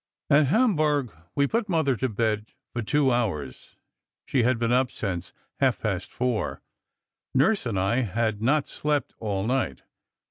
"At Hamburg, we put Mother to bed for two hours. She had been up since half past four. Nurse and I had not slept all night.